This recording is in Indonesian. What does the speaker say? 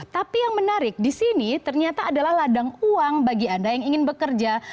tapi yang menarik di sini ternyata adalah ladang uang bagi anda yang ingin bekerja